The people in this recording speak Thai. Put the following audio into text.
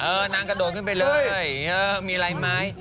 เออนางกระโดดขึ้นไปเลยมีอะไรมั้ย